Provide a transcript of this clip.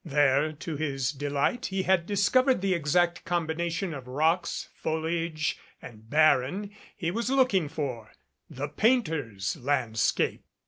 There, to his delight, he had discovered the exact combination of rocks, foliage and barren he was looking for the painter's landscape.